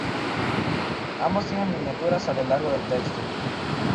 Ambos tienen miniaturas a lo largo del texto.